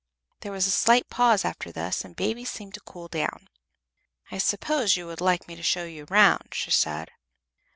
There was a slight pause after this, and Baby seemed to cool down. "I suppose you would like me to show you round?" she said.